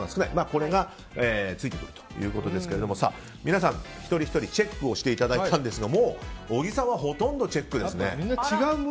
これがついてくるということですが皆さん、一人ひとりチェックしていただいたんですが小木さんはほとんどチェックですね。